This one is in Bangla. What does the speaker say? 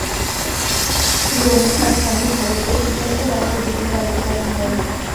রোমে তার স্বামী ভারতে ইতালীয় রাষ্ট্রদূতের দায়িত্ব পালন করেন।